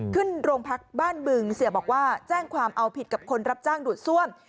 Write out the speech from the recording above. ขึ้นโรงพักบ้านบึงเสียบอกว่าแจ้งความเอาผิดกับคนรับจ้างดูดซ่วม